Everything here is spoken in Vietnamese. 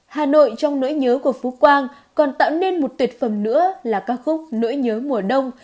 hà nội trong nỗi nhớ của phú quang còn tạo nên một tuyệt phẩm nữa là ca khúc nỗi nhớ mùa đông